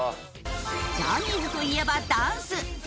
ジャニーズといえばダンス。